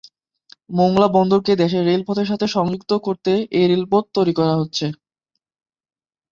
মংলা বন্দরকে দেশের রেলপথের সাথে সংযুক্ত করতে এই রেলপথ তৈরি করা হচ্ছে।